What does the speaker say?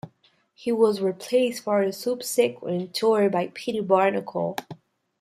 He was replaced for the subsequent tour by Pete Barnacle.